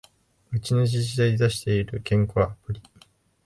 うちの自治体で出してる健康アプリ